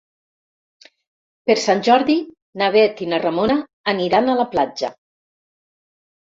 Per Sant Jordi na Bet i na Ramona aniran a la platja.